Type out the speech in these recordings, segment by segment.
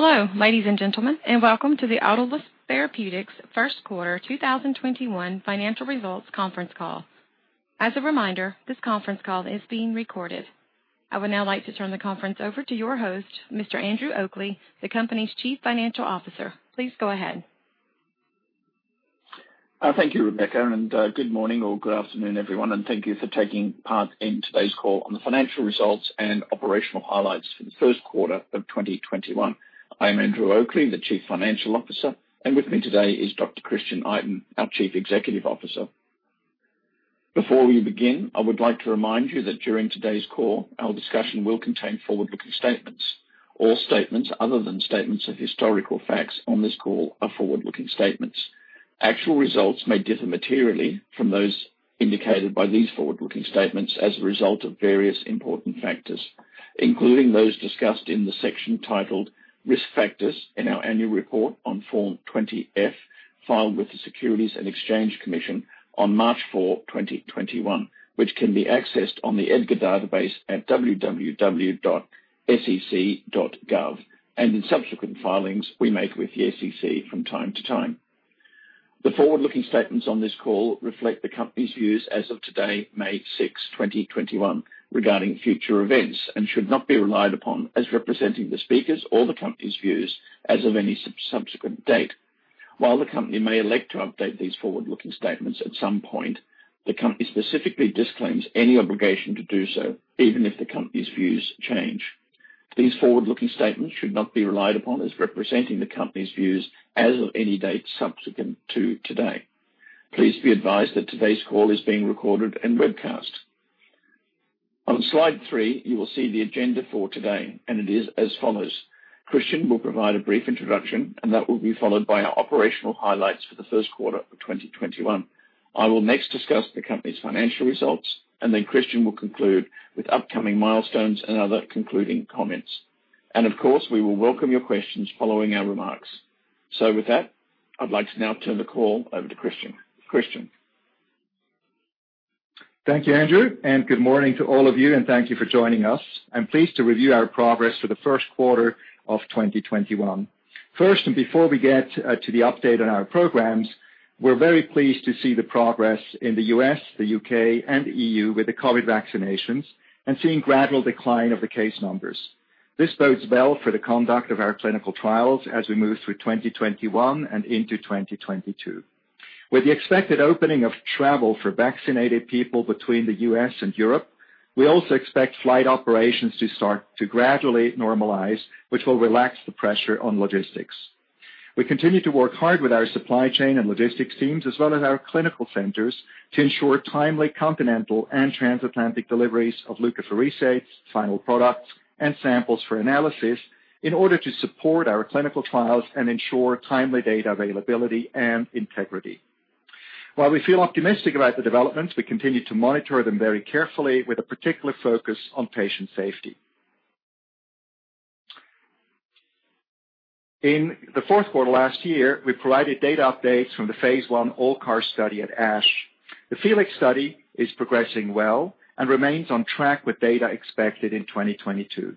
Hello, ladies and gentlemen, and welcome to the Autolus Therapeutics first quarter 2021 financial results conference call. As a reminder, this conference call is being recorded. I would now like to turn the conference over to your host, Mr. Andrew Oakley, the company's Chief Financial Officer. Please go ahead. Thank you, Rebecca, good morning or good afternoon, everyone, and thank you for taking part in today's call on the financial results and operational highlights for the first quarter of 2021. I'm Andrew Oakley, the Chief Financial Officer, with me today is Dr. Christian Itin, our Chief Executive Officer. Before we begin, I would like to remind you that during today's call, our discussion will contain forward-looking statements. All statements other than statements of historical facts on this call are forward-looking statements. Actual results may differ materially from those indicated by these forward-looking statements as a result of various important factors, including those discussed in the section titled Risk Factors in our annual report on Form 20-F filed with the Securities and Exchange Commission on March 4, 2021, which can be accessed on the EDGAR database at www.sec.gov, and in subsequent filings we make with the SEC from time to time. The forward-looking statements on this call reflect the company's views as of today, May 6, 2021, regarding future events and should not be relied upon as representing the speakers or the company's views as of any subsequent date. While the company may elect to update these forward-looking statements at some point, the company specifically disclaims any obligation to do so, even if the company's views change. These forward-looking statements should not be relied upon as representing the company's views as of any date subsequent to today. Please be advised that today's call is being recorded and webcast. On slide three, you will see the agenda for today, and it is as follows. Christian will provide a brief introduction, and that will be followed by our operational highlights for the first quarter of 2021. I will next discuss the company's financial results, and then Christian will conclude with upcoming milestones and other concluding comments. Of course, we will welcome your questions following our remarks. With that, I'd like to now turn the call over to Christian. Christian? Thank you, Andrew. Good morning to all of you. Thank you for joining us. I'm pleased to review our progress for the first quarter of 2021. First, before we get to the update on our programs, we're very pleased to see the progress in the U.S., the U.K., and the EU with the COVID vaccinations and seeing gradual decline of the case numbers. This bodes well for the conduct of our clinical trials as we move through 2021 and into 2022. With the expected opening of travel for vaccinated people between the U.S. and Europe, we also expect flight operations to start to gradually normalize, which will relax the pressure on logistics. We continue to work hard with our supply chain and logistics teams, as well as our clinical centers, to ensure timely continental and transatlantic deliveries of leukapheresis, final products, and samples for analysis in order to support our clinical trials and ensure timely data availability and integrity. While we feel optimistic about the developments, we continue to monitor them very carefully with a particular focus on patient safety. In the fourth quarter last year, we provided data updates from the phase I ALLCAR study at ASH. The FELIX study is progressing well and remains on track with data expected in 2022.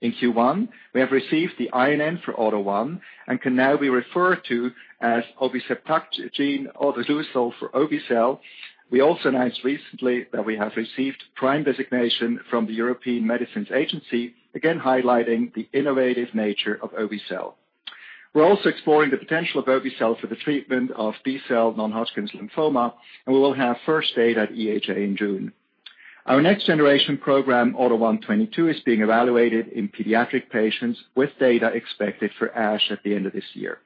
In Q1, we have received the INN for AUTO1 and can now be referred to as obecabtagene autoleucel for obe-cel. We also announced recently that we have received PRIME designation from the European Medicines Agency, again highlighting the innovative nature of obe-cel. We're also exploring the potential of obe-cel for the treatment of B-cell non-Hodgkin lymphoma. We will have first data at EHA in June. Our next generation program, AUTO1/22, is being evaluated in pediatric patients with data expected for ASH at the end of this year.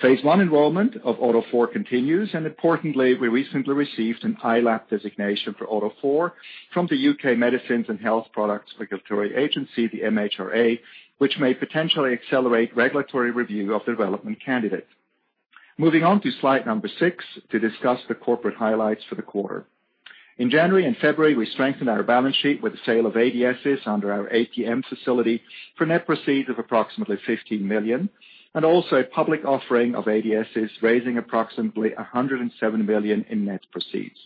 Phase I enrollment of AUTO4 continues. Importantly, we recently received an ILAP designation for AUTO4 from the U.K. Medicines and Healthcare products Regulatory Agency, the MHRA, which may potentially accelerate regulatory review of the development candidate. Moving on to slide number six to discuss the corporate highlights for the quarter. In January and February, we strengthened our balance sheet with the sale of ADSs under our ATM facility for net proceeds of approximately $15 million. Also a public offering of ADSs, raising approximately $107 million in net proceeds.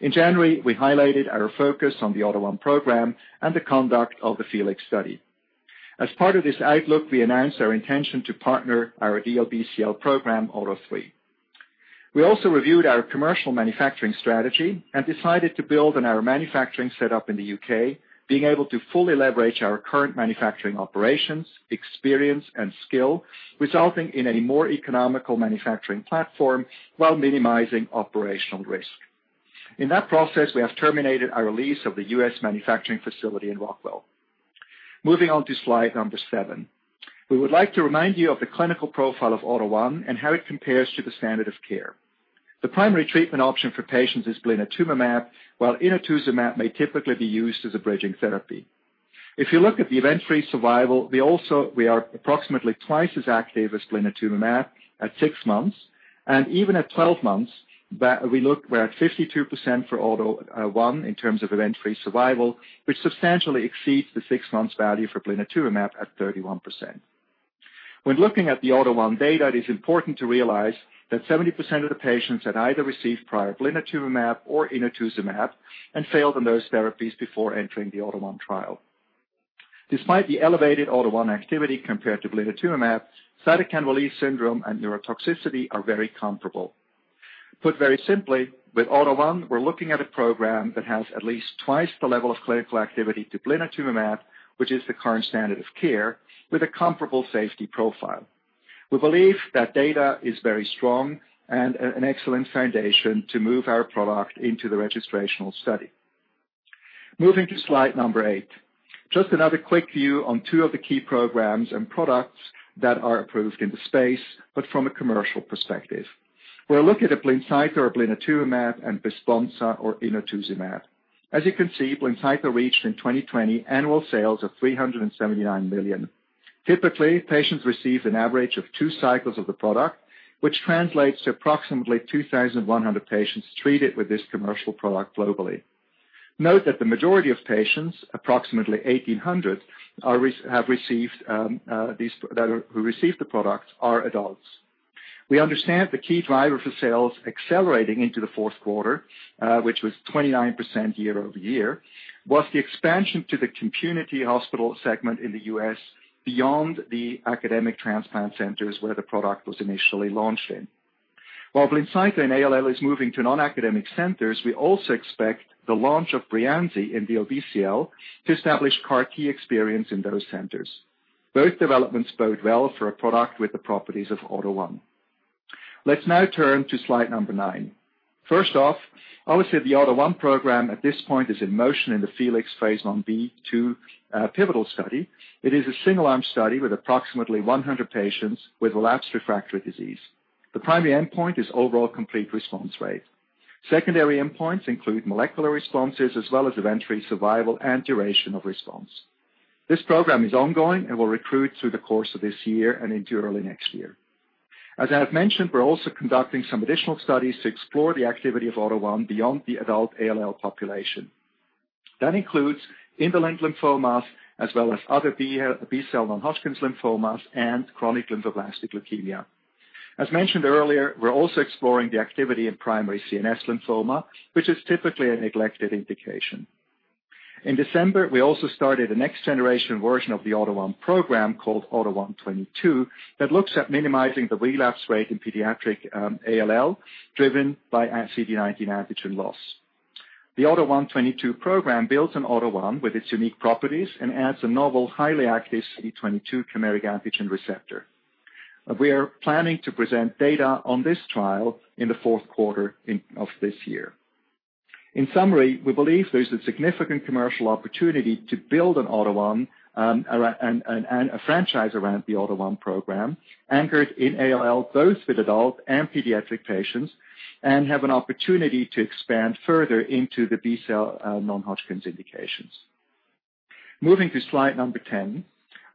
In January, we highlighted our focus on the AUTO1 program and the conduct of the FELIX study. As part of this outlook, we announced our intention to partner our DLBCL program, AUTO3. We also reviewed our commercial manufacturing strategy and decided to build on our manufacturing set up in the U.K., being able to fully leverage our current manufacturing operations, experience, and skill, resulting in a more economical manufacturing platform while minimizing operational risk. In that process, we have terminated our lease of the U.S. manufacturing facility in Rockville. Moving on to slide number seven. We would like to remind you of the clinical profile of AUTO1 and how it compares to the standard of care. The primary treatment option for patients is blinatumomab, while inotuzumab may typically be used as a bridging therapy. If you look at the event-free survival, we are approximately twice as active as blinatumomab at six months, and even at 12 months, we're at 52% for AUTO1 in terms of event-free survival, which substantially exceeds the six months value for blinatumomab at 31%. When looking at the AUTO1 data, it is important to realize that 70% of the patients had either received prior blinatumomab or inotuzumab and failed on those therapies before entering the AUTO1 trial. Despite the elevated AUTO1 activity compared to blinatumomab, cytokine release syndrome and neurotoxicity are very comparable. Put very simply, with AUTO1, we're looking at a program that has at least twice the level of clinical activity to blinatumomab, which is the current standard of care, with a comparable safety profile. We believe that data is very strong and an excellent foundation to move our product into the registrational study. Moving to slide number eight. Just another quick view on two of the key programs and products that are approved in the space, but from a commercial perspective. We're looking at BLINCYTO or blinatumomab and Besponsa or inotuzumab. As you can see, BLINCYTO reached in 2020 annual sales of $379 million. Typically, patients receive an average of two cycles of the product, which translates to approximately 2,100 patients treated with this commercial product globally. Note that the majority of patients, approximately 1,800, who received the product, are adults. We understand the key driver for sales accelerating into the fourth quarter, which was 29% year-over-year, was the expansion to the community hospital segment in the U.S. beyond the academic transplant centers where the product was initially launched in. While BLINCYTO in ALL is moving to non-academic centers, we also expect the launch of Breyanzi in the DLBCL to establish CAR T experience in those centers. Both developments bode well for a product with the properties of AUTO1. Let's now turn to slide number nine. First off, obviously, the AUTO1 program at this point is in motion in the FELIX phase I-B/II pivotal study. It is a single-arm study with approximately 100 patients with relapsed refractory disease. The primary endpoint is overall complete response rate. Secondary endpoints include molecular responses as well as event-free survival and duration of response. This program is ongoing and will recruit through the course of this year and into early next year. As I have mentioned, we're also conducting some additional studies to explore the activity of AUTO1 beyond the adult ALL population. That includes indolent lymphomas as well as other B-cell non-Hodgkin's lymphomas and chronic lymphoblastic leukemia. As mentioned earlier, we're also exploring the activity in primary CNS lymphoma, which is typically a neglected indication. In December, we also started a next generation version of the AUTO1 program called AUTO1/22 that looks at minimizing the relapse rate in pediatric ALL driven by CD19 antigen loss. The AUTO1/22 program builds on AUTO1 with its unique properties and adds a novel, highly active CD22 chimeric antigen receptor. We are planning to present data on this trial in the fourth quarter of this year. In summary, we believe there's a significant commercial opportunity to build an AUTO1 and a franchise around the AUTO1 program anchored in ALL, both with adult and pediatric patients, and have an opportunity to expand further into the B-cell non-Hodgkin's indications. Moving to slide number 10.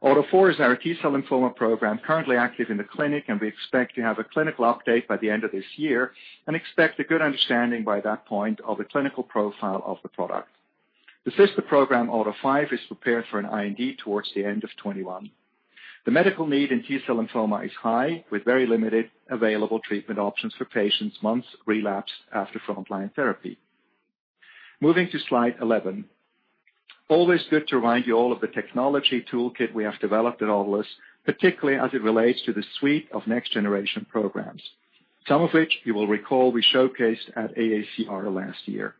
AUTO4 is our T-cell lymphoma program currently active in the clinic. We expect to have a clinical update by the end of this year and expect a good understanding by that point of the clinical profile of the product. The sister program, AUTO5, is prepared for an IND towards the end of 2021. The medical need in T-cell lymphoma is high with very limited available treatment options for patients once relapsed after frontline therapy. Moving to slide 11. Always good to remind you all of the technology toolkit we have developed at Autolus, particularly as it relates to the suite of next generation programs, some of which you will recall we showcased at AACR last year.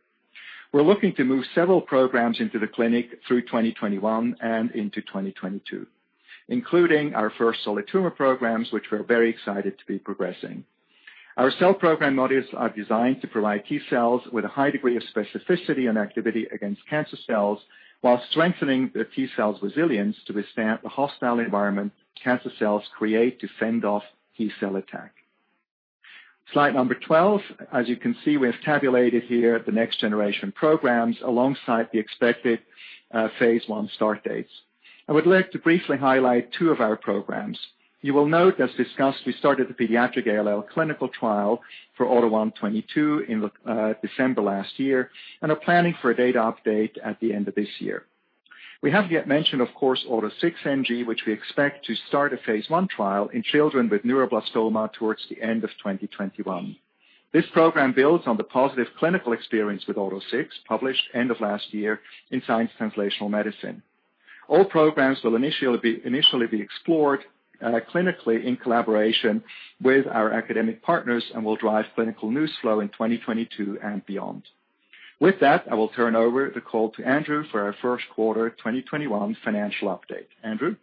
We're looking to move several programs into the clinic through 2021 and into 2022, including our first solid tumor programs, which we're very excited to be progressing. Our cell program modules are designed to provide T cells with a high degree of specificity and activity against cancer cells while strengthening the T cell's resilience to withstand the hostile environment cancer cells create to fend off T cell attack. Slide number 12. As you can see, we have tabulated here the next generation programs alongside the expected phase I start dates. I would like to briefly highlight two of our programs. You will note, as discussed, we started the pediatric ALL clinical trial for AUTO1/22 in December last year and are planning for a data update at the end of this year. We haven't yet mentioned, of course, AUTO6NG, which we expect to start a phase I trial in children with neuroblastoma towards the end of 2021. This program builds on the positive clinical experience with AUTO6, published end of last year in "Science Translational Medicine." All programs will initially be explored clinically in collaboration with our academic partners and will drive clinical news flow in 2022 and beyond. With that, I will turn over the call to Andrew for our first quarter 2021 financial update. Andrew?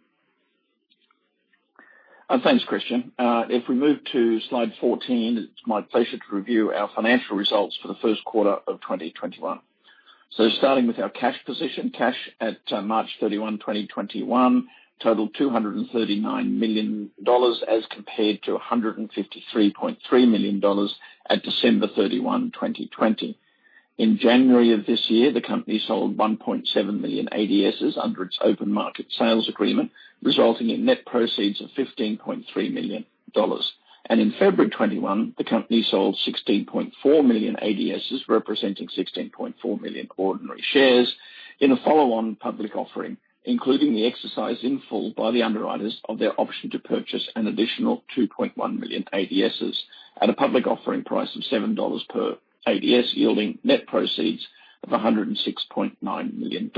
Thanks, Christian. If we move to slide 14, it's my pleasure to review our financial results for the first quarter of 2021. Starting with our cash position. Cash at March 31, 2021 totaled $239 million as compared to $153.3 million at December 31, 2020. In January of this year, the company sold 1.7 million ADSs under its open market sales agreement, resulting in net proceeds of $15.3 million. In February 2021, the company sold 16.4 million ADSs, representing 16.4 million ordinary shares in a follow-on public offering, including the exercise in full by the underwriters of their option to purchase an additional 2.1 million ADSs at a public offering price of $7 per ADS, yielding net proceeds of $106.9 million.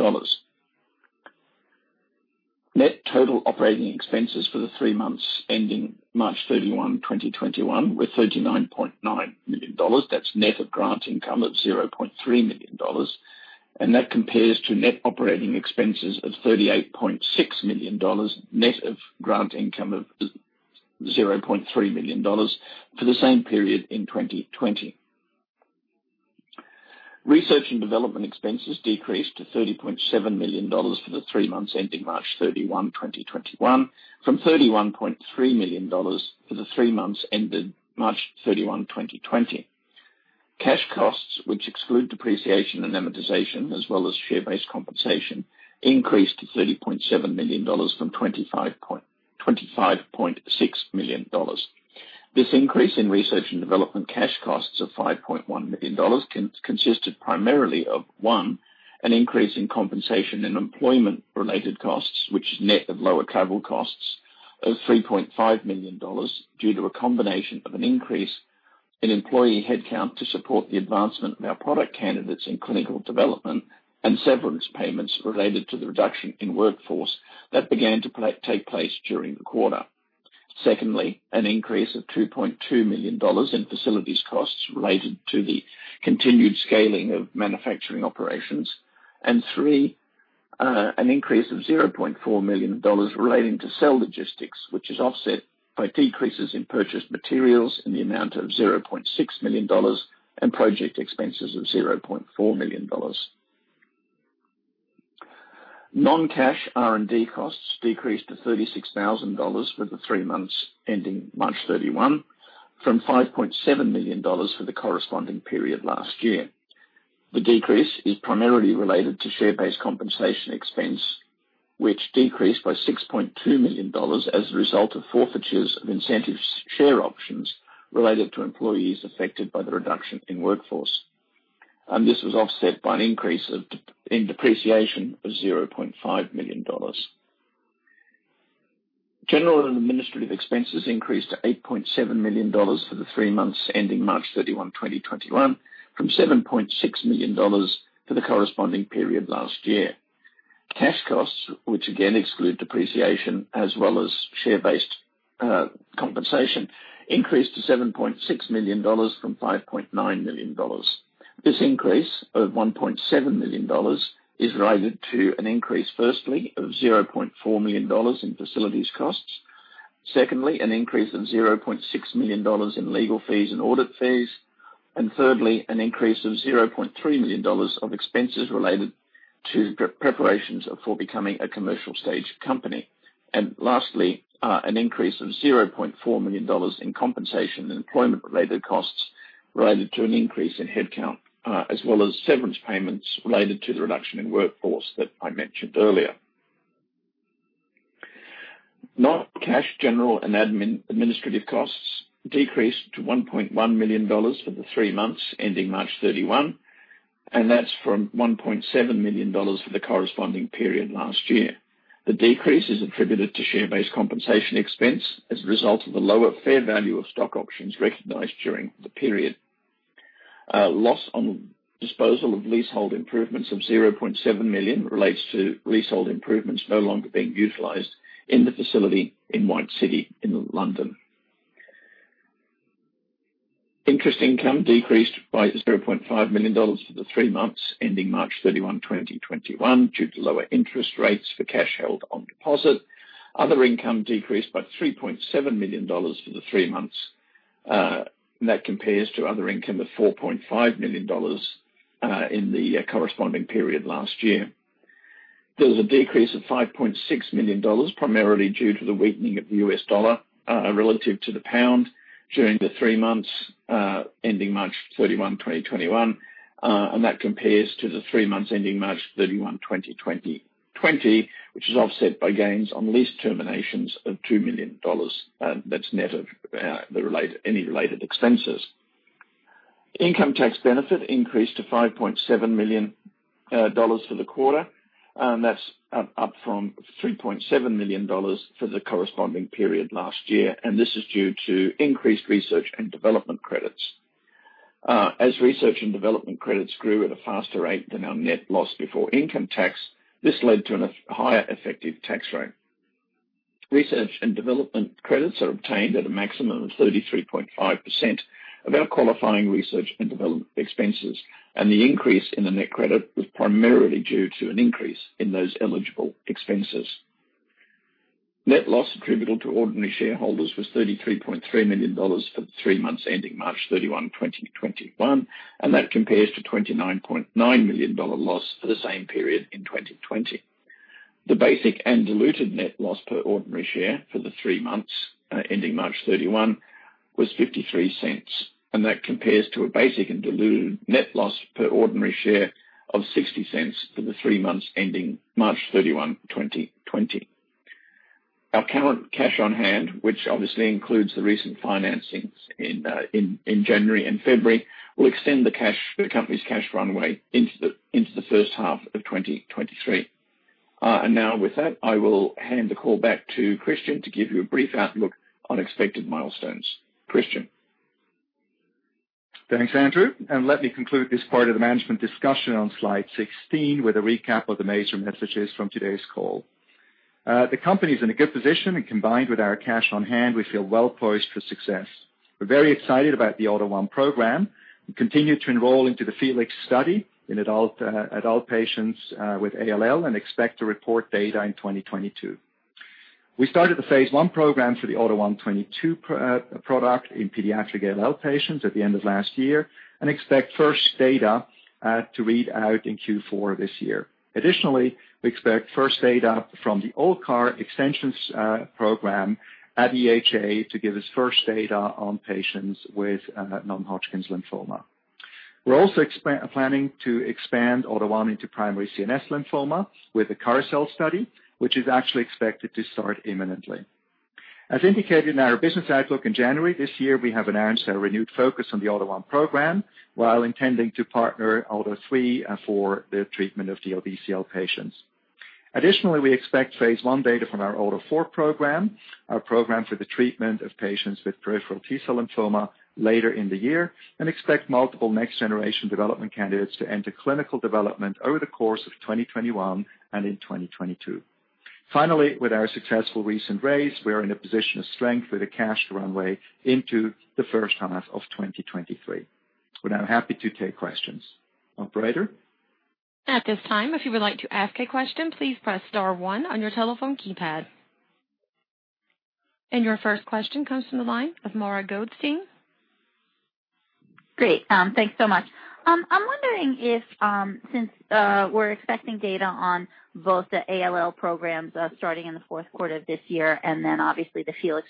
Net total operating expenses for the three months ending March 31, 2021 were $39.9 million. That's net of grant income of $0.3 million. That compares to net operating expenses of $38.6 million, net of grant income of $0.3 million for the same period in 2020. Research and development expenses decreased to $30.7 million for the three months ending March 31, 2021, from $31.3 million for the three months ended March 31, 2020. Cash costs, which exclude depreciation and amortization, as well as share-based compensation, increased to $30.7 million from $25.6 million. This increase in research and development cash costs of $5.1 million consisted primarily of, one, an increase in compensation and employment-related costs, which is net of lower travel costs of $3.5 million due to a combination of an increase in employee headcount to support the advancement of our product candidates in clinical development and severance payments related to the reduction in workforce that began to take place during the quarter. An increase of $2.2 million in facilities costs related to the continued scaling of manufacturing operations. Three, an increase of $0.4 million relating to cell logistics, which is offset by decreases in purchased materials in the amount of $0.6 million and project expenses of $0.4 million. Non-cash R&D costs decreased to $36,000 for the three months ending March 31, from $5.7 million for the corresponding period last year. The decrease is primarily related to share-based compensation expense, which decreased by $6.2 million as a result of forfeitures of incentive share options related to employees affected by the reduction in workforce. This was offset by an increase in depreciation of $0.5 million. General and administrative expenses increased to $8.7 million for the three months ending March 31, 2021, from $7.6 million for the corresponding period last year. Cash costs, which again exclude depreciation as well as share-based compensation, increased to $7.6 million from $5.9 million. This increase of $1.7 million is related to an increase, firstly, of GBP 0.4 million in facilities costs. An increase of $0.6 million in legal fees and audit fees. Thirdly, an increase of $0.3 million of expenses related to preparations for becoming a commercial stage company. Lastly, an increase of $0.4 million in compensation and employment-related costs related to an increase in headcount, as well as severance payments related to the reduction in workforce that I mentioned earlier. Non-cash general and administrative costs decreased to $1.1 million for the three months ending March 31, from $1.7 million for the corresponding period last year. The decrease is attributed to share-based compensation expense as a result of the lower fair value of stock options recognized during the period. Loss on disposal of leasehold improvements of $0.7 million relates to leasehold improvements no longer being utilized in the facility in White City in London. Interest income decreased by $0.5 million for the three months ending March 31, 2021, due to lower interest rates for cash held on deposit. Other income decreased by $3.7 million for the three months. That compares to other income of $4.5 million in the corresponding period last year. There was a decrease of $5.6 million, primarily due to the weakening of the US dollar relative to the pound during the three months ending March 31, 2021. That compares to the three months ending March 31, 2020, which is offset by gains on lease terminations of $2 million. That's net of any related expenses. Income tax benefit increased to $5.7 million for the quarter, that's up from $3.7 million for the corresponding period last year. This is due to increased research and development credits. As research and development credits grew at a faster rate than our net loss before income tax, this led to a higher effective tax rate. Research and development credits are obtained at a maximum of 33.5% of our qualifying research and development expenses, the increase in the net credit was primarily due to an increase in those eligible expenses. Net loss attributable to ordinary shareholders was $33.3 million for the three months ending March 31, 2021, that compares to a $29.9 million loss for the same period in 2020. The basic and diluted net loss per ordinary share for the three months ending March 31 was $0.53. That compares to a basic and diluted net loss per ordinary share of $0.60 for the three months ending March 31, 2020. Our current cash on hand, which obviously includes the recent financings in January and February, will extend the company's cash runway into the first half of 2023. Now with that, I will hand the call back to Christian to give you a brief outlook on expected milestones. Christian. Thanks, Andrew, let me conclude this part of the management discussion on slide 16 with a recap of the major messages from today's call. The company is in a good position combined with our cash on hand, we feel well-poised for success. We're very excited about the AUTO1 program continue to enroll into the FELIX study in adult patients with ALL expect to report data in 2022. We started the phase I program for the AUTO1/22 product in pediatric ALL patients at the end of last year expect first data to read out in Q4 this year. Additionally, we expect first data from the ALLCAR extensions program at EHA to give us first data on patients with non-Hodgkin's lymphoma. We're also planning to expand AUTO1 into primary CNS lymphoma with a CARLYSLE study, which is actually expected to start imminently. As indicated in our business outlook in January this year, we have enhanced our renewed focus on the AUTO1 program while intending to partner AUTO3 for the treatment of DLBCL patients. We expect phase I data from our AUTO4 program, our program for the treatment of patients with peripheral T-cell lymphoma later in the year, and expect multiple next generation development candidates to enter clinical development over the course of 2021 and in 2022. With our successful recent raise, we are in a position of strength with a cash runway into the first half of 2023. We are now happy to take questions. Operator. At this time, if you would like to ask a question, please press star one on your telephone keypad. Your first question comes from the line of Mara Goldstein. Great. Thanks so much. I'm wondering if, since we're expecting data on both the ALL starting in the fourth quarter of this year and obviously the FELIX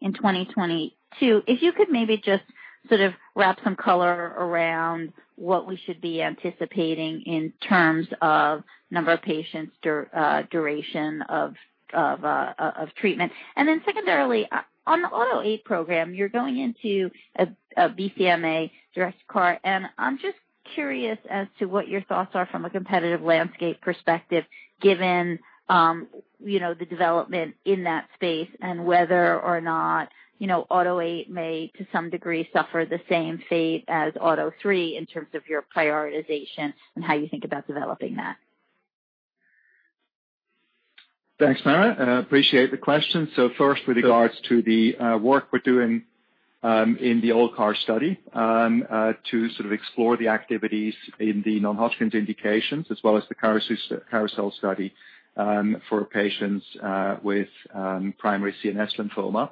in 2022, if you could maybe just sort of wrap some color around what we should be anticipating in terms of number of patients, duration of treatment. Secondarily, on the AUTO8, you're going into a BCMA-directed CAR, and I'm just curious as to what your thoughts are from a competitive landscape perspective, given the development in that space and whether or not AUTO8 may, to some degree, suffer the same fate as AUTO3 in terms of your prioritization and how you think about developing that. Thanks, Mara. Appreciate the question. First, with regards to the work we're doing in the ALLCAR study to sort of explore the activities in the non-Hodgkin's indications as well as the CARLYSLE study for patients with primary CNS lymphoma.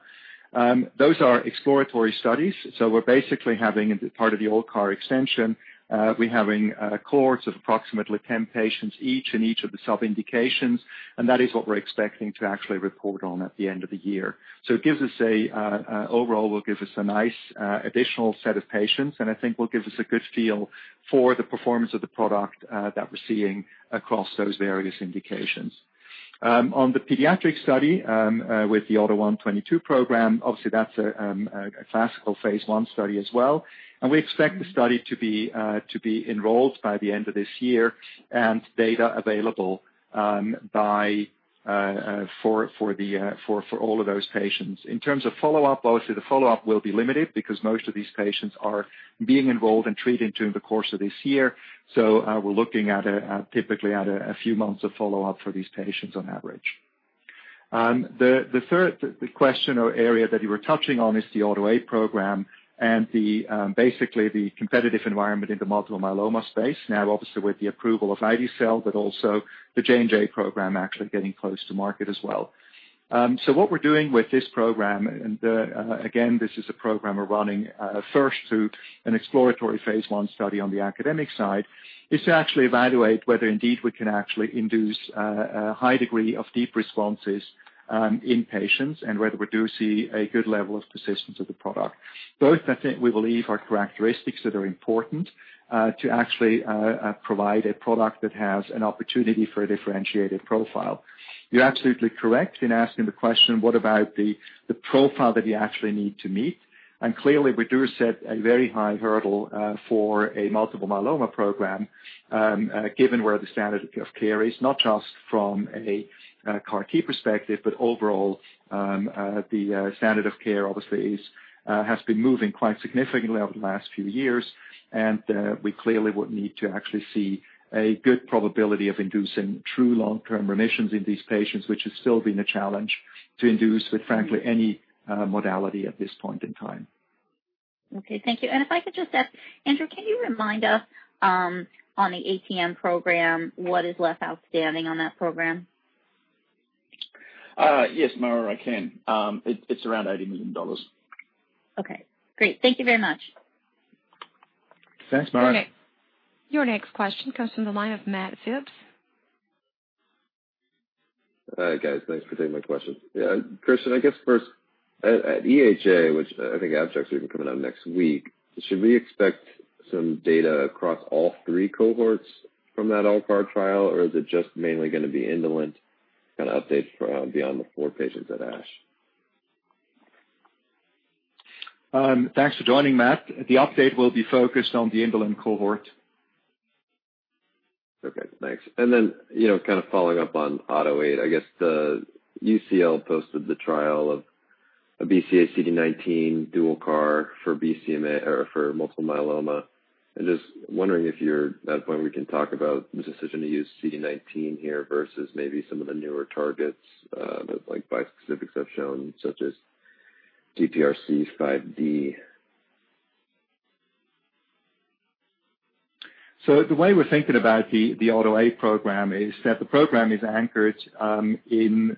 Those are exploratory studies. We're basically having part of the ALLCAR extension. We're having cohorts of approximately 10 patients each in each of the sub-indications, and that is what we're expecting to actually report on at the end of the year. Overall, will give us a nice additional set of patients, and I think will give us a good feel for the performance of the product that we're seeing across those various indications. On the pediatric study, with the AUTO1/22 program, obviously that's a classical phase I study as well. We expect the study to be enrolled by the end of this year and data available for all of those patients. In terms of follow-up, obviously the follow-up will be limited because most of these patients are being enrolled and treated during the course of this year. We're looking typically at a few months of follow-up for these patients on average. The third question or area that you were touching on is the AUTO8 program and basically the competitive environment in the multiple myeloma space. Now, obviously with the approval of ide-cel, but also the J&J program actually getting close to market as well. What we're doing with this program, and again, this is a program we're running first to an exploratory phase I study on the academic side, is to actually evaluate whether indeed we can actually induce a high degree of deep responses in patients and whether we do see a good level of persistence of the product. Both, I think we believe are characteristics that are important to actually provide a product that has an opportunity for a differentiated profile. You're absolutely correct in asking the question, what about the profile that you actually need to meet? Clearly, we do set a very high hurdle for a multiple myeloma program, given where the standard of care is, not just from a CAR T perspective, but overall, the standard of care obviously has been moving quite significantly over the last few years, and we clearly would need to actually see a good probability of inducing true long-term remissions in these patients, which has still been a challenge to induce with, frankly, any modality at this point in time. Okay. Thank you. If I could just ask, Andrew, can you remind us on the ATM program, what is left outstanding on that program? Yes, Mara, I can. It's around $80 million. Okay, great. Thank you very much. Thanks, Mara. Your next question comes from the line of Matthew Phipps. Hi, guys. Thanks for taking my question. Christian, I guess at EHA, which I think abstracts are even coming out next week, should we expect some data across all three cohorts from that ALLCAR trial, or is it just mainly going to be indolent kind of updates beyond the four patients at ASH? Thanks for joining, Matt. The update will be focused on the indolent cohort. Okay, thanks. Following up on AUTO8, I guess the UCL posted the trial of a BCMA/CD19 dual CAR for BCMA or for multiple myeloma. I'm just wondering if you're at a point we can talk about this decision to use CD19 here versus maybe some of the newer targets, like bispecifics have shown, such as GPRC5D. The way we're thinking about the AUTO8 program is that the program is anchored through the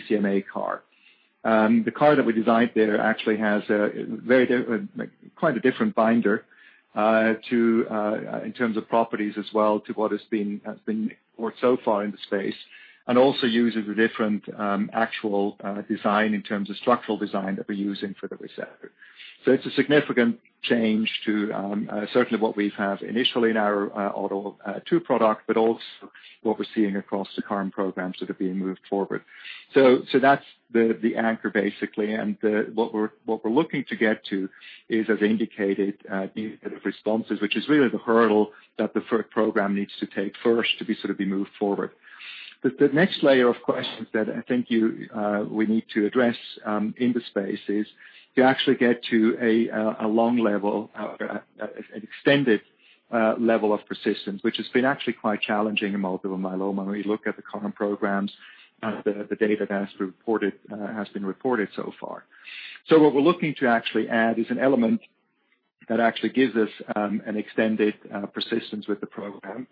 BCMA CAR. The CAR that we designed there actually has quite a different binder, in terms of properties as well to what has been worked so far in the space, and also uses a different actual design in terms of structural design that we're using for the receptor. It's a significant change to certainly what we've had initially in our AUTO2 product, but also what we're seeing across the current programs that are being moved forward. That's the anchor, basically, and what we're looking to get to is, as indicated, the set of responses, which is really the hurdle that the program needs to take first to be moved forward. The next layer of questions that I think we need to address in the space is to actually get to a long level, an extended level of persistence, which has been actually quite challenging in multiple myeloma when we look at the current programs, the data that has been reported so far. What we're looking to actually add is an element that actually gives us an extended persistence with the program.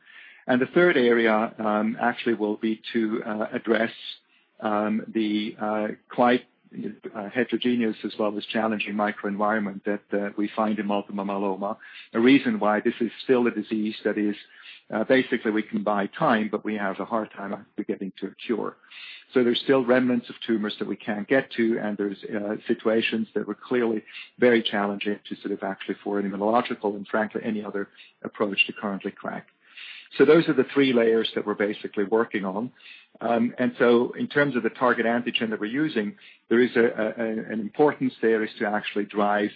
The third area actually will be to address the quite heterogeneous as well as challenging microenvironment that we find in multiple myeloma. A reason why this is still a disease that is basically we can buy time, but we have a hard time actually getting to a cure. There's still remnants of tumors that we can't get to, and there's situations that were clearly very challenging to sort of actually for immunological and frankly, any other approach to currently crack. Those are the three layers that we're basically working on. In terms of the target antigen that we're using, there is an importance there is to actually drive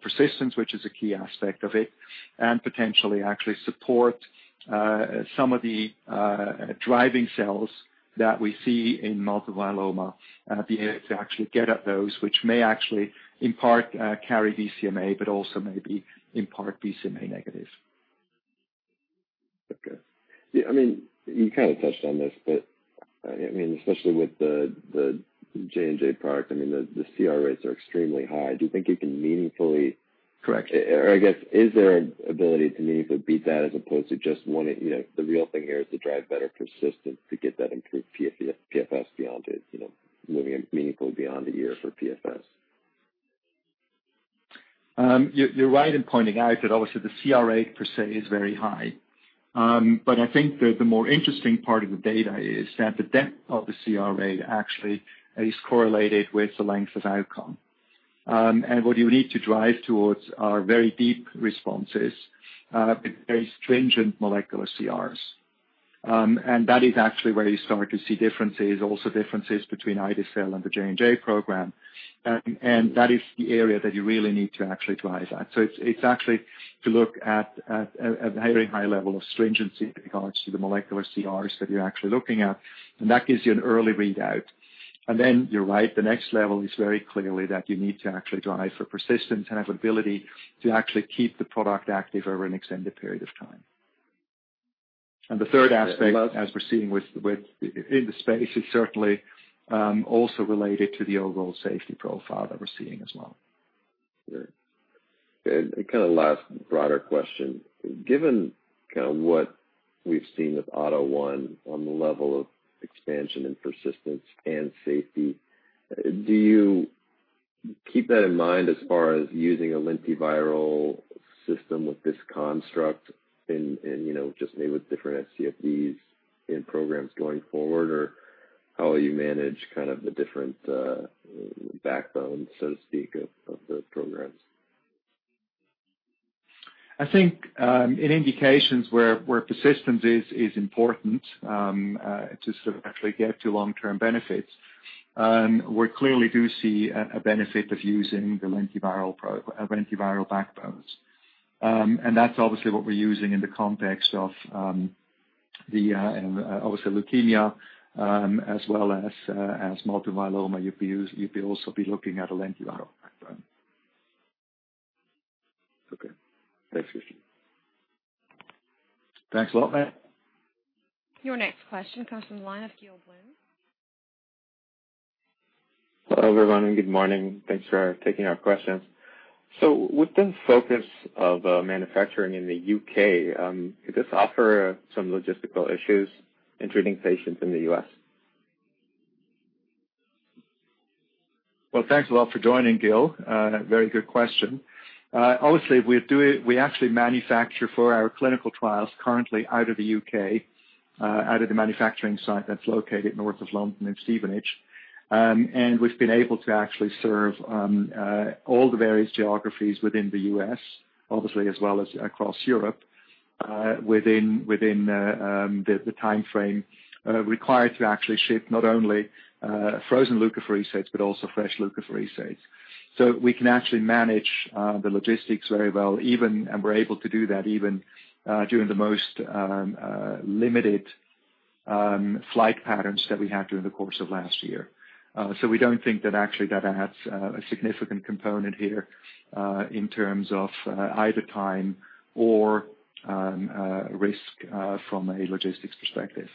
persistence, which is a key aspect of it, and potentially actually support some of the driving cells that we see in multiple myeloma, being able to actually get at those, which may actually, in part, carry BCMA, but also may be, in part, BCMA negatives. Okay. Yeah, you touched on this, especially with the J&J product, the CR rates are extremely high. Do you think you can meaningfully- Correct. I guess, is there an ability to meaningfully beat that as opposed to just wanting. The real thing here is to drive better persistence to get that improved PFS beyond it, moving it meaningfully beyond a year for PFS. You're right in pointing out that obviously the CR rate per se is very high. I think that the more interesting part of the data is that the depth of the CR rate actually is correlated with the length of outcome. What you need to drive towards are very deep responses with very stringent molecular CRs. That is actually where you start to see differences, also differences between ide-cel and the J&J program. That is the area that you really need to actually drive at. It's actually to look at a very high level of stringency in regards to the molecular CRs that you're actually looking at, and that gives you an early readout. You're right, the next level is very clearly that you need to actually drive for persistence and have ability to actually keep the product active over an extended period of time. The third aspect, as we're seeing within the space, is certainly also related to the overall safety profile that we're seeing as well. Great. Last broader question, given what we've seen with AUTO1 on the level of expansion and persistence and safety, do you keep that in mind as far as using a lentiviral system with this construct and just maybe with different scFvs in programs going forward? How will you manage the different backbones, so to speak, of the programs? I think, in indications where persistence is important to sort of actually get to long-term benefits, we clearly do see a benefit of using the lentiviral backbones. That's obviously what we're using in the context of obviously leukemia, as well as multiple myeloma. You'd also be looking at a lentiviral backbone. Okay. Thanks, Christian. Thanks a lot, Matt. Your next question comes from the line of Gil Blum. Hello, everyone. Good morning. Thanks for taking our questions. With the focus of manufacturing in the U.K., could this offer some logistical issues in treating patients in the U.S.? Well, thanks a lot for joining, Gil. Very good question. Obviously, we actually manufacture for our clinical trials currently out of the U.K., out of the manufacturing site that's located north of London in Stevenage. We've been able to actually serve all the various geographies within the U.S., obviously, as well as across Europe, within the timeframe required to actually ship not only frozen leukapheresis but also fresh leukapheresis. We can actually manage the logistics very well, and we're able to do that even during the most limited flight patterns that we had during the course of last year. We don't think that actually that adds a significant component here, in terms of either time or risk from a logistics perspective.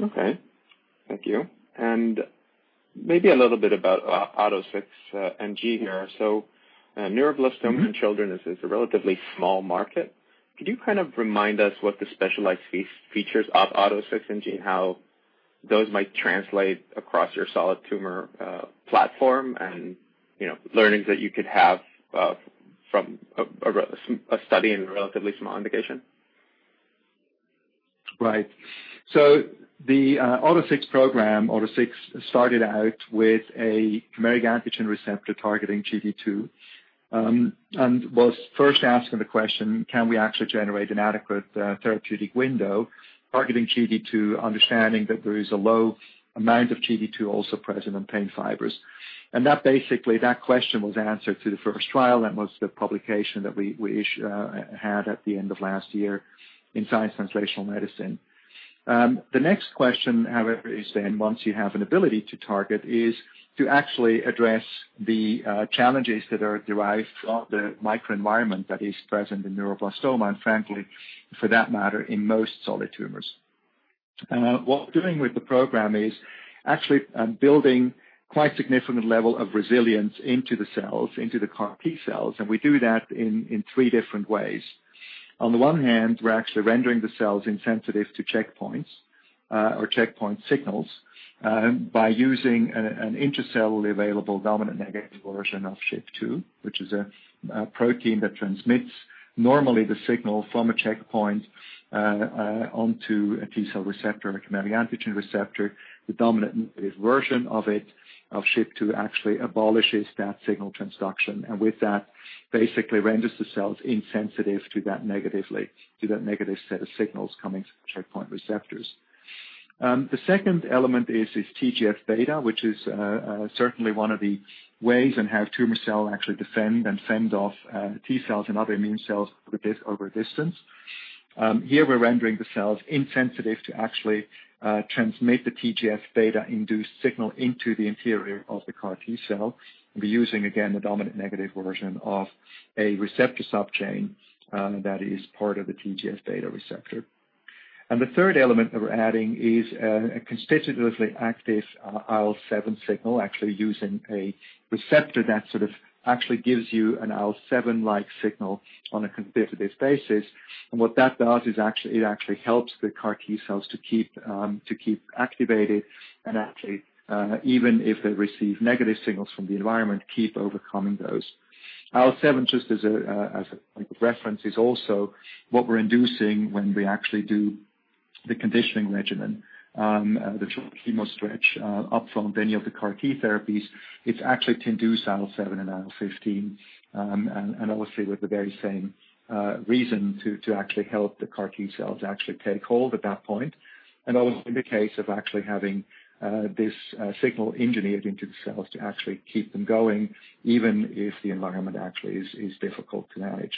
Okay. Thank you. Maybe a little bit about AUTO6NG here. Neuroblastoma in children is a relatively small market. Could you kind of remind us what the specialized features of AUTO6NG and how those might translate across your solid tumor platform and learnings that you could have from a study in a relatively small indication? Right. The AUTO6 program, AUTO6 started out with a chimeric antigen receptor targeting GD2, and was first asking the question, can we actually generate an adequate therapeutic window targeting GD2, understanding that there is a low amount of GD2 also present on pain fibers? That basically, that question was answered through the first trial. That was the publication that we had at the end of last year in "Science Translational Medicine." The next question, however, is then once you have an ability to target, is to actually address the challenges that are derived from the microenvironment that is present in neuroblastoma, and frankly, for that matter, in most solid tumors. What we're doing with the program is actually building quite significant level of resilience into the cells, into the CAR T cells, and we do that in three different ways. On the one hand, we're actually rendering the cells insensitive to checkpoints or checkpoint signals by using an intracellularly available dominant-negative version of SHP2, which is a protein that transmits normally the signal from a checkpoint onto a T cell receptor, a chimeric antigen receptor. The dominant-negative version of it, of SHP2, actually abolishes that signal transduction and with that basically renders the cells insensitive to that negative set of signals coming from checkpoint receptors. The second element is TGF-beta, which is certainly one of the ways in how tumor cell actually defend and fend off T cells and other immune cells over a distance. Here we're rendering the cells insensitive to actually transmit the TGF-beta-induced signal into the interior of the CAR T cell, and we're using, again, the dominant negative version of a receptor sub chain that is part of the TGF-beta receptor. The third element that we're adding is a constitutively active IL-7 signal, actually using a receptor that sort of actually gives you an IL-7-like signal on a constitutive basis. What that does is it actually helps the CAR T cells to keep activated and actually, even if they receive negative signals from the environment, keep overcoming those. IL-7, just as a point of reference, is also what we're inducing when we actually do the conditioning regimen. The chemo stretch up front of any of the CAR T therapies, it's actually to induce IL-7 and IL-15, and obviously with the very same reason to actually help the CAR T cells actually take hold at that point, and also in the case of actually having this signal engineered into the cells to actually keep them going, even if the environment actually is difficult to manage.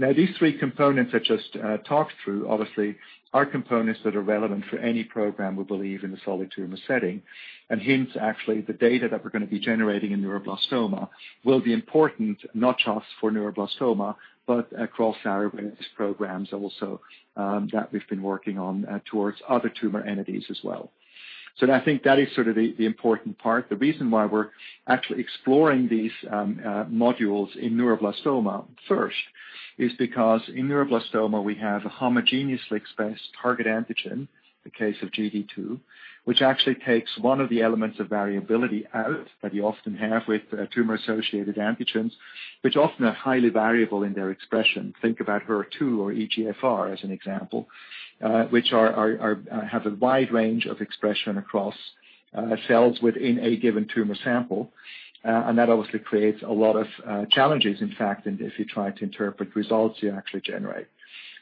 Now, these three components I just talked through obviously are components that are relevant for any program, we believe, in the solid tumor setting. Hence, actually, the data that we're going to be generating in neuroblastoma will be important not just for neuroblastoma, but across our various programs also that we've been working on towards other tumor entities as well. I think that is sort of the important part. The reason why we're actually exploring these modules in neuroblastoma first is because in neuroblastoma we have a homogeneously expressed target antigen, the case of GD2, which actually takes one of the elements of variability out that you often have with tumor-associated antigens, which often are highly variable in their expression. Think about HER2 or EGFR as an example, which have a wide range of expression across cells within a given tumor sample. That obviously creates a lot of challenges, in fact, if you try to interpret results you actually generate.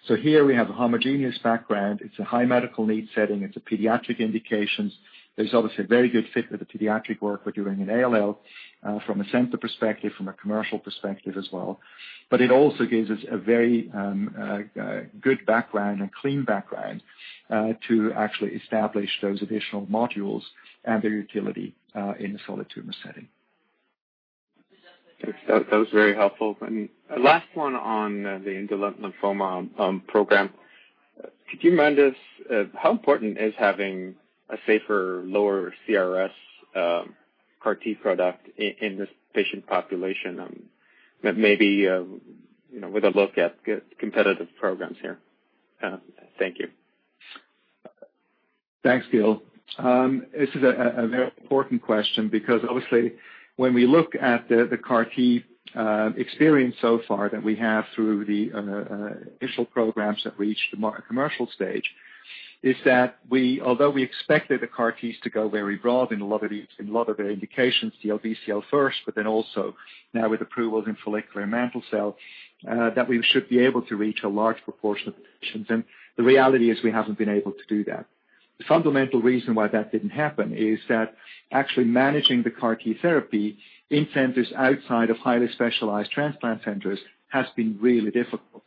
Here we have a homogeneous background. It's a high medical need setting. It's a pediatric indication. There's obviously a very good fit with the pediatric work we're doing in ALL from a center perspective, from a commercial perspective as well. It also gives us a very good background, a clean background, to actually establish those additional modules and their utility in the solid tumor setting. That was very helpful. Last one on the indolent lymphoma program. Could you remind us how important is having a safer, lower CRS CAR T product in this patient population? Maybe with a look at competitive programs here. Thank you. Thanks, Gil. This is a very important question because obviously, when we look at the CAR T experience so far that we have through the initial programs that reached the commercial stage, is that although we expected the CAR Ts to go very broad in a lot of their indications, DLBCL first, but then also now with approvals in follicular and mantle cell, that we should be able to reach a large proportion of patients. The reality is we haven't been able to do that. The fundamental reason why that didn't happen is that actually managing the CAR T therapy in centers outside of highly specialized transplant centers has been really difficult.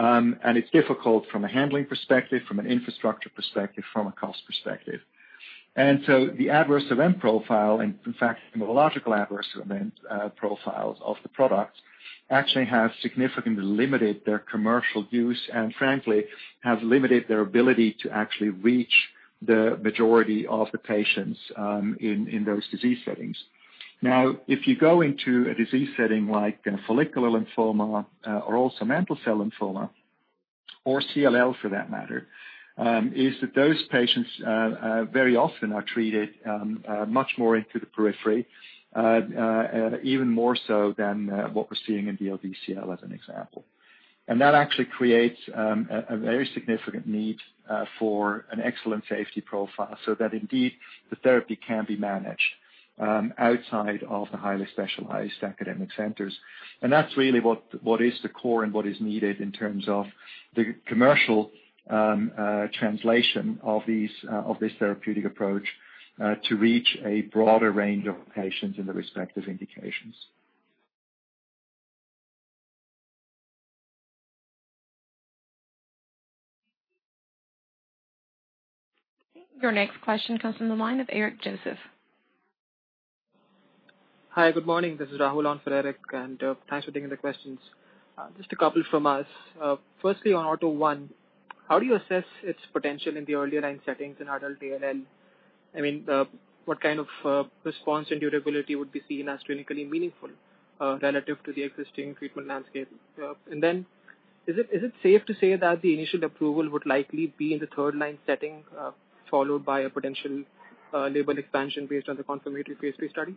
It's difficult from a handling perspective, from an infrastructure perspective, from a cost perspective. The adverse event profile and in fact, hematological adverse event profiles of the product actually have significantly limited their commercial use and frankly, have limited their ability to actually reach the majority of the patients in those disease settings. If you go into a disease setting like in a follicular lymphoma, or also mantle cell lymphoma, or CLL for that matter, is that those patients very often are treated much more into the periphery, even more so than what we're seeing in DLBCL as an example. That actually creates a very significant need for an excellent safety profile so that indeed the therapy can be managed outside of the highly specialized academic centers. That's really what is the core and what is needed in terms of the commercial translation of this therapeutic approach to reach a broader range of patients in the respective indications. Your next question comes from the line of Eric Joseph. Hi, good morning. This is Rahul on for Eric. Thanks for taking the questions. Just a couple from us. Firstly, on AUTO1, how do you assess its potential in the earlier line settings in adult ALL? I mean, what kind of response and durability would be seen as clinically meaningful, relative to the existing treatment landscape? Is it safe to say that the initial approval would likely be in the third-line setting, followed by a potential label expansion based on the confirmatory phase III study?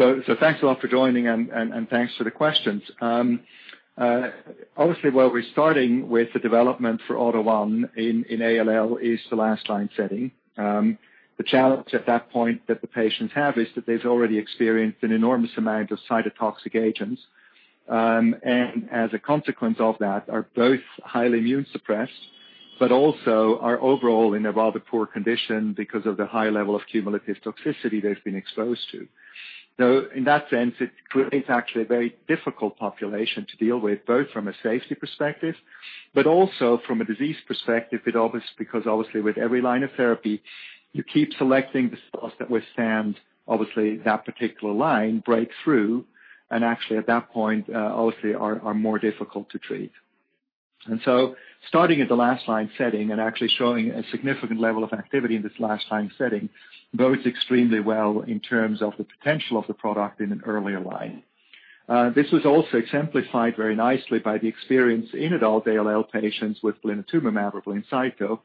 Thanks a lot for joining and thanks for the questions. Obviously where we're starting with the development for AUTO1 in ALL is the last line setting. The challenge at that point that the patients have is that they've already experienced an enormous amount of cytotoxic agents. As a consequence of that, are both highly immune suppressed, but also are overall in a rather poor condition because of the high level of cumulative toxicity they've been exposed to. In that sense, it creates actually a very difficult population to deal with, both from a safety perspective, but also from a disease perspective because obviously with every line of therapy, you keep selecting the cells that withstand obviously that particular line breakthrough, and actually at that point, obviously are more difficult to treat. Starting at the last line setting and actually showing a significant level of activity in this last line setting, bodes extremely well in terms of the potential of the product in an earlier line. This was also exemplified very nicely by the experience in adult ALL patients with blinatumomab or BLINCYTO,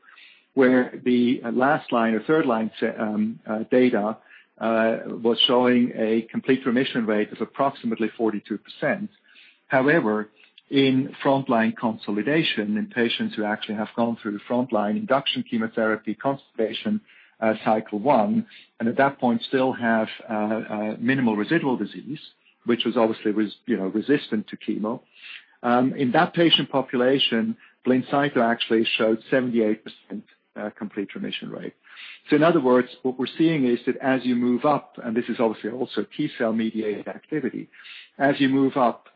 where the last line or third line data was showing a complete remission rate of approximately 42%. However, in front-line consolidation, in patients who actually have gone through the front-line induction chemotherapy consolidation, cycle 1, and at that point still have minimal residual disease, which was obviously resistant to chemo. In that patient population, BLINCYTO actually showed 78% complete remission rate. In other words, what we're seeing is that as you move up, and this is obviously also T-cell mediated activity, as you move up,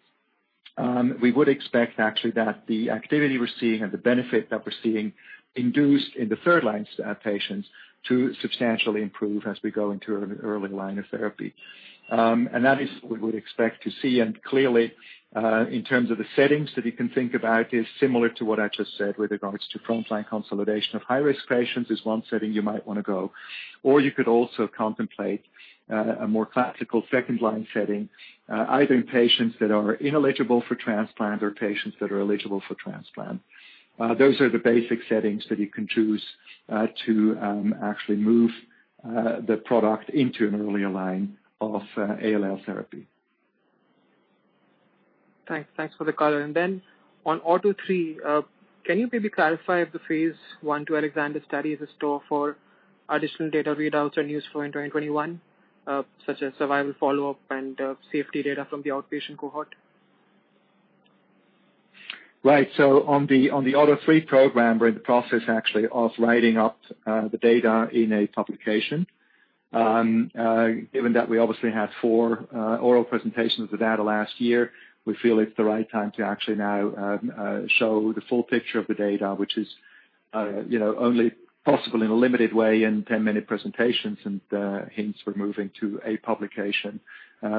we would expect actually that the activity we're seeing and the benefit that we're seeing induced in the third-line patients to substantially improve as we go into an early line of therapy. That is what we would expect to see and clearly, in terms of the settings that you can think about, is similar to what I just said with regards to front-line consolidation of high-risk patients is one setting you might want to go. You could also contemplate a more classical second-line setting, either in patients that are ineligible for transplant or patients that are eligible for transplant. Those are the basic settings that you can choose to actually move the product into an earlier line of ALL therapy. Thanks. Thanks for the color. On AUTO3, can you maybe clarify if the phase I/II ALEXANDER study is in store for additional data readouts and useful in 2021, such as survival follow-up and safety data from the outpatient cohort? Right. On the AUTO3 program, we're in the process actually of writing up the data in a publication. Given that we obviously had four oral presentations of the data last year, we feel it's the right time to actually now show the full picture of the data, which is only possible in a limited way in 10-minute presentations and hence we're moving to a publication,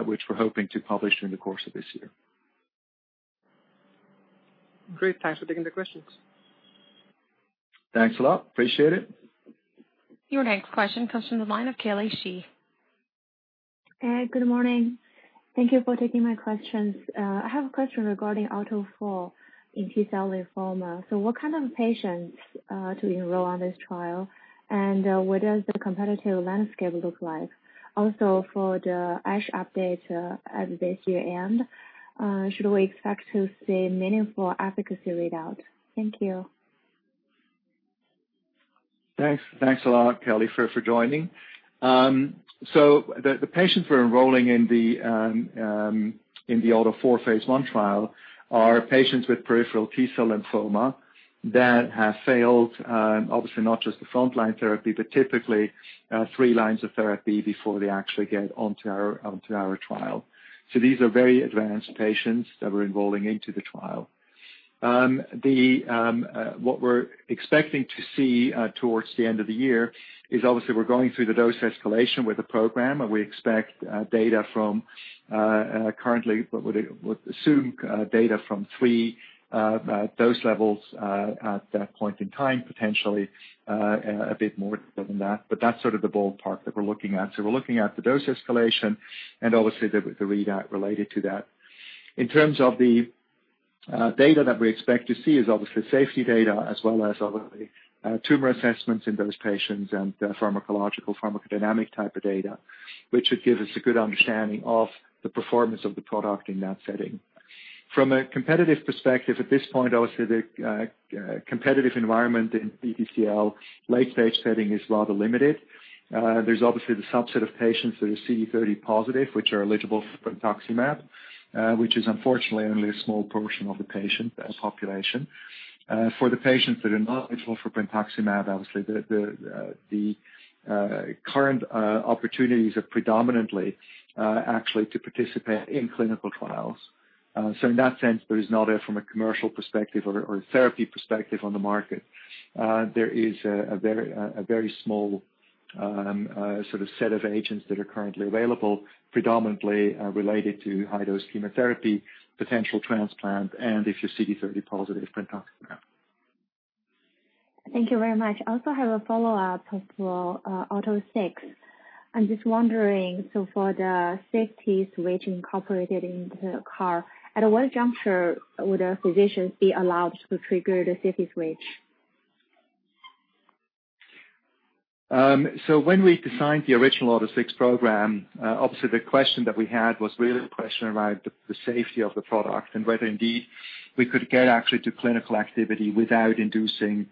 which we're hoping to publish during the course of this year. Great. Thanks for taking the questions. Thanks a lot. Appreciate it. Your next question comes from the line of Kelly Shih. Hey, good morning. Thank you for taking my questions. I have a question regarding AUTO4 in T-cell lymphoma. What kind of patients to enroll on this trial, and what does the competitive landscape look like? Also, for the ASH update at this year-end, should we expect to see meaningful efficacy readout? Thank you. Thanks. Thanks a lot, Kelly, for joining. The patients we're enrolling in the AUTO4 phase I trial are patients with peripheral T-cell lymphoma that have failed, obviously, not just the frontline therapy, but typically three lines of therapy before they actually get onto our trial. These are very advanced patients that we're enrolling into the trial. What we're expecting to see towards the end of the year is obviously we're going through the dose escalation with the program, and we expect data from currently what would assume data from three dose levels, at that point in time, potentially, a bit more than that, but that's sort of the bold part that we're looking at. We're looking at the dose escalation and obviously the readout related to that. In terms of the data that we expect to see is obviously safety data as well as obviously tumor assessments in those patients and pharmacological pharmacodynamic type of data, which should give us a good understanding of the performance of the product in that setting. From a competitive perspective, at this point, obviously, the competitive environment in PTCL late-stage setting is rather limited. There is obviously the subset of patients that are CD30 positive, which are eligible for brentuximab, which is unfortunately only a small portion of the patient population. For the patients that are not eligible for brentuximab, obviously the current opportunities are predominantly actually to participate in clinical trials. In that sense, there is none from a commercial perspective or therapy perspective on the market. There is a very small sort of set of agents that are currently available, predominantly related to high-dose chemotherapy, potential transplant, and if you're CD30 positive, brentuximab. Thank you very much. I also have a follow-up for AUTO6. I'm just wondering, so for the safety switch incorporated into the CAR, at what juncture would a physician be allowed to trigger the safety switch? When we designed the original AUTO6 program, obviously the question that we had was really the question around the safety of the product and whether indeed we could get actually to clinical activity without inducing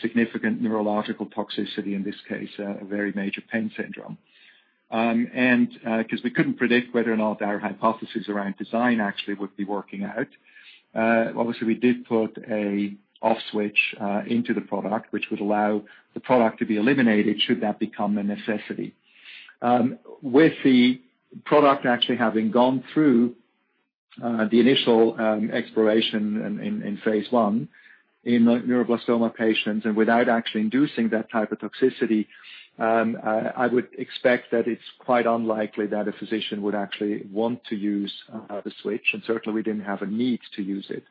significant neurological toxicity, in this case, a very major PENS syndrome. Because we couldn't predict whether or not our hypothesis around design actually would be working out, obviously we did put an off switch into the product, which would allow the product to be eliminated should that become a necessity. With the product actually having gone through the initial exploration in phase I in neuroblastoma patients and without actually inducing that type of toxicity, I would expect that it's quite unlikely that a physician would actually want to use the switch, and certainly we didn't have a need to use it.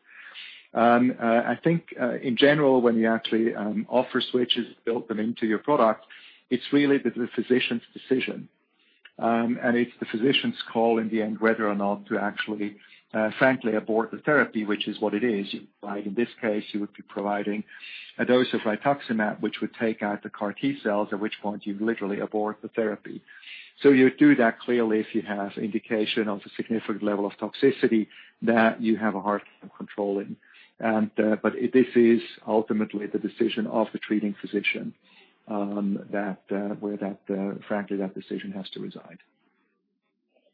I think, in general, when you actually offer switches, build them into your product, it's really the physician's decision. It's the physician's call in the end whether or not to actually frankly abort the therapy, which is what it is. In this case, you would be providing a dose of rituximab, which would take out the CAR T-cells, at which point you literally abort the therapy. You do that clearly if you have indication of a significant level of toxicity that you have a hard time controlling. This is ultimately the decision of the treating physician, where frankly, that decision has to reside.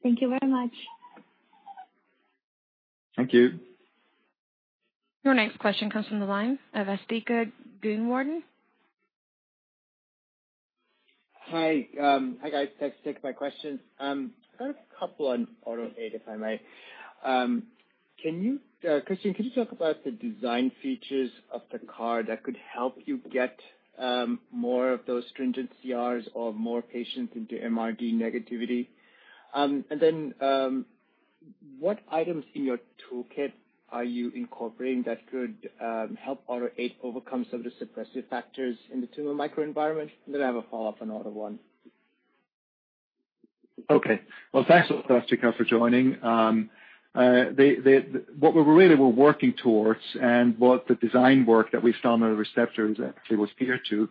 Thank you very much. Thank you. Your next question comes from the line of Asthika Goonewardene. Hi. Hi, guys. Thanks for taking my question. I have a couple on AUTO8, if I may. Christian, could you talk about the design features of the CAR that could help you get more of those stringent CRs or more patients into MRD negativity? What items in your toolkit are you incorporating that could help AUTO8 overcome some of the suppressive factors in the tumor microenvironment? I have a follow-up on AUTO1. Okay. Well, thanks, Asthika, for joining. What we really were working towards and what the design work that we've done on the receptors actually was geared to,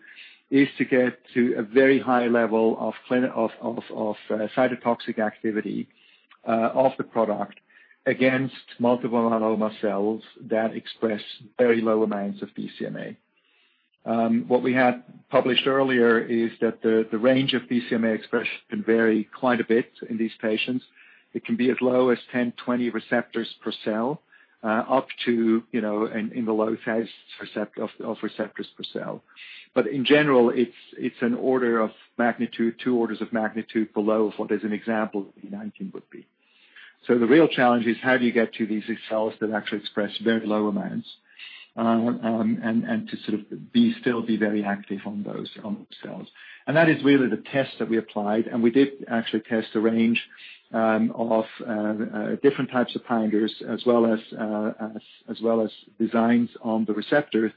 is to get to a very high level of cytotoxic activity of the product against multiple myeloma cells that express very low amounts of BCMA. What we had published earlier is that the range of BCMA expression can vary quite a bit in these patients. It can be as low as 10, 20 receptors per cell, up to in the low thousands of receptors per cell. In general, it's an order of magnitude, two orders of magnitude below of what as an example, CD19 would be. The real challenge is how do you get to these cells that actually express very low amounts, and to still be very active on those cells. That is really the test that we applied, and we did actually test a range of different types of binders as well as designs on the receptor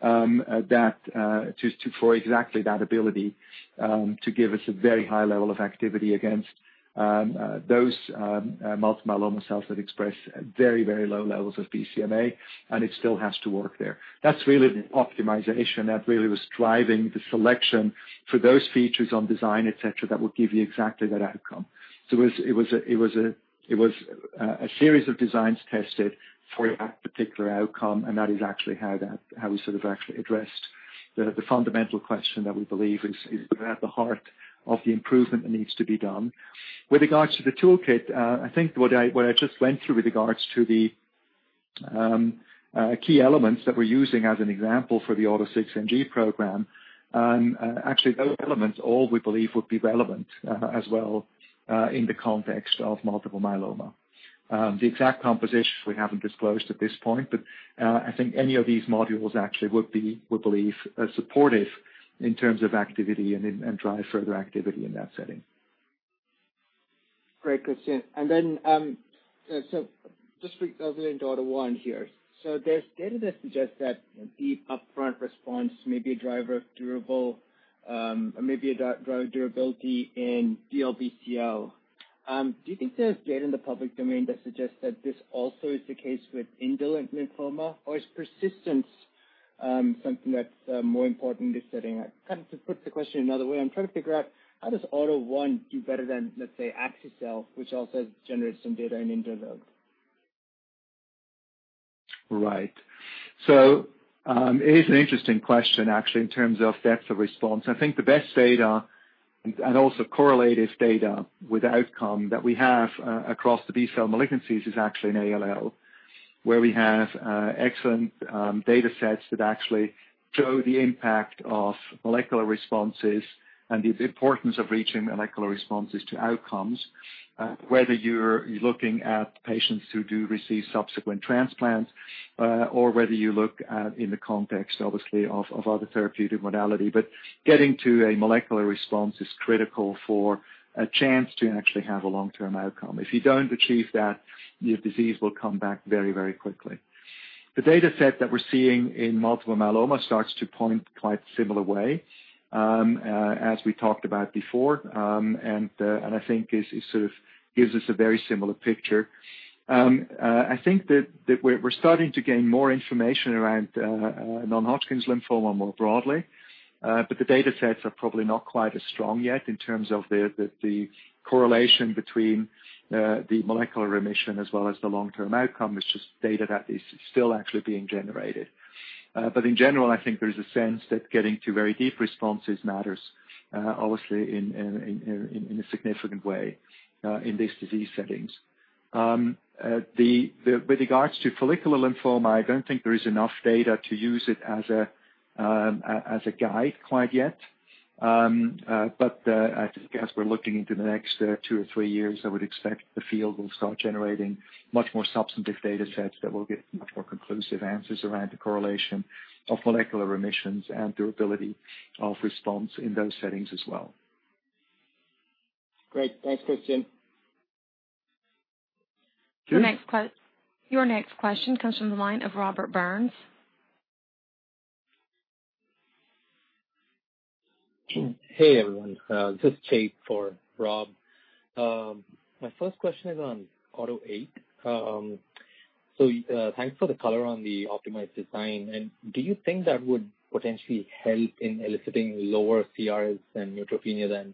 for exactly that ability to give us a very high level of activity against those multiple myeloma cells that express very, very low levels of BCMA, and it still has to work there. That's really the optimization that really was driving the selection for those features on design, et cetera, that would give you exactly that outcome. It was a series of designs tested for that particular outcome, and that is actually how we sort of actually addressed the fundamental question that we believe is at the heart of the improvement that needs to be done. With regards to the toolkit, I think what I just went through with regards to the key elements that we're using as an example for the AUTO6NG program, actually those elements all we believe would be relevant as well in the context of multiple myeloma. The exact composition we haven't disclosed at this point, but I think any of these modules actually would believe are supportive in terms of activity and drive further activity in that setting. Great. Thanks, Christian. Just regarding AUTO1 here. There's data that suggests that deep upfront response may be a driver of durability in DLBCL. Do you think there's data in the public domain that suggests that this also is the case with indolent lymphoma, or is persistence something that's more important in this setting? To put the question another way, I'm trying to figure out how does AUTO1 do better than, let's say, Axi-cel, which also has generated some data in indolent. Right. It is an interesting question actually, in terms of depth of response. I think the best data, and also correlative data with outcome that we have across the B-cell malignancies is actually in ALL, where we have excellent data sets that actually show the impact of molecular responses and the importance of reaching molecular responses to outcomes, whether you're looking at patients who do receive subsequent transplants, or whether you look at in the context, obviously, of other therapeutic modality. Getting to a molecular response is critical for a chance to actually have a long-term outcome. If you don't achieve that, your disease will come back very, very quickly. The data set that we're seeing in multiple myeloma starts to point quite similar way, as we talked about before, and I think it sort of gives us a very similar picture. I think that we're starting to gain more information around non-Hodgkin's lymphoma more broadly. The data sets are probably not quite as strong yet in terms of the correlation between the molecular remission as well as the long-term outcome, it's just data that is still actually being generated. In general, I think there's a sense that getting to very deep responses matters, obviously in a significant way, in these disease settings. With regards to follicular lymphoma, I don't think there is enough data to use it as a guide quite yet. I guess we're looking into the next two or three years, I would expect the field will start generating much more substantive data sets that will give much more conclusive answers around the correlation of molecular remissions and durability of response in those settings as well. Great. Thanks, Christian. Sure. Your next question comes from the line of Robert Burns. Hey, everyone, this is Jake for Rob. My first question is on AUTO8. Thanks for the color on the optimized design. Do you think that would potentially help in eliciting lower CRS than neutropenia than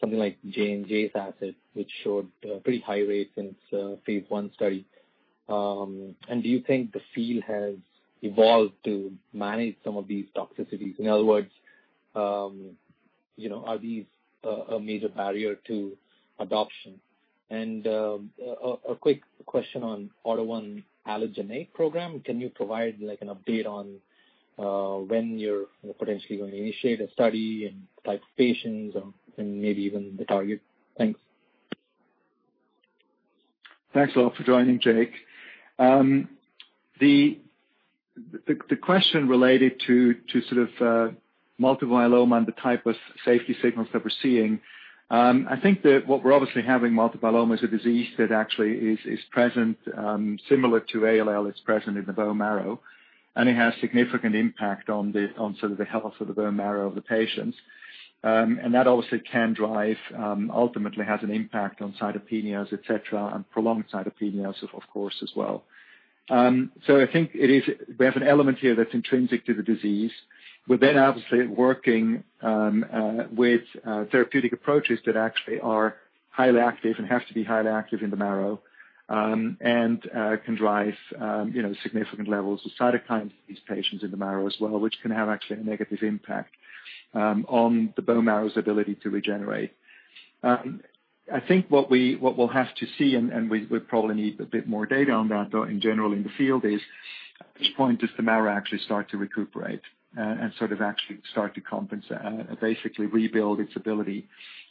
something like JNJ's asset, which showed pretty high rates in its phase I study? Do you think the field has evolved to manage some of these toxicities? In other words, are these a major barrier to adoption? A quick question on AUTO1 allogeneic program. Can you provide an update on when you're potentially going to initiate a study and type of patients or maybe even the target? Thanks. Thanks a lot for joining, Jake. The question related to sort of multiple myeloma and the type of safety signals that we're seeing, I think that what we're obviously having multiple myeloma is a disease that actually is present similar to ALL, it's present in the bone marrow, and it has significant impact on the health of the bone marrow of the patients. That obviously can drive, ultimately has an impact on cytopenias, et cetera, and prolonged cytopenias of course as well. I think we have an element here that's intrinsic to the disease. We're obviously working with therapeutic approaches that actually are highly active and have to be highly active in the marrow, and can drive significant levels of cytokines in these patients in the marrow as well, which can have actually a negative impact on the bone marrow's ability to regenerate. I think what we'll have to see, and we probably need a bit more data on that, though in general in the field is at which point does the marrow actually start to recuperate and sort of actually start to compensate and basically rebuild its ability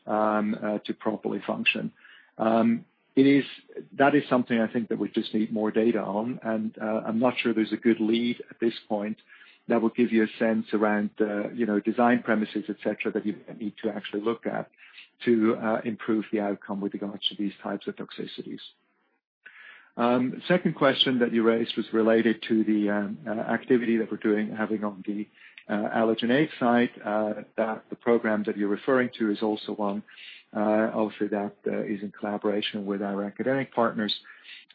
to properly function. That is something I think that we just need more data on, and I'm not sure there's a good lead at this point that will give you a sense around design premises, et cetera, that you need to actually look at to improve the outcome with regards to these types of toxicities. Second question that you raised was related to the activity that we're doing, having on the allogeneic side, that the program that you're referring to is also one obviously that is in collaboration with our academic partners.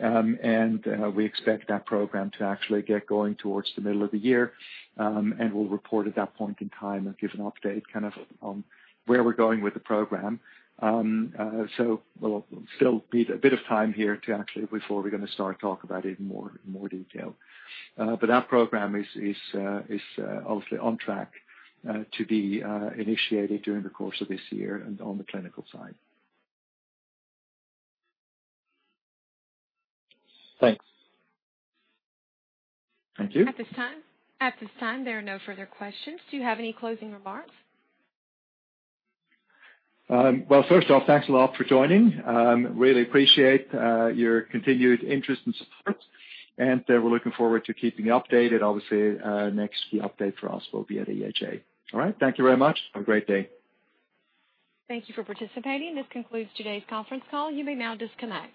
We expect that program to actually get going towards the middle of the year, and we'll report at that point in time and give an update on where we're going with the program. There will still be a bit of time here before we're going to start talk about it in more detail. That program is obviously on track to be initiated during the course of this year and on the clinical side. Thanks. Thank you. At this time, there are no further questions. Do you have any closing remarks? First off, thanks a lot for joining. Really appreciate your continued interest and support, and we're looking forward to keeping you updated. Next key update for us will be at EHA. All right. Thank you very much. Have a great day. Thank you for participating. This concludes today's conference call. You may now disconnect.